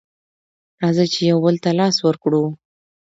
راځئ چې يو بل ته لاس ورکړو